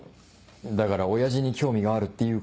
だから親父に興味があるって言うから。